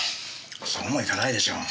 そうもいかないでしょ。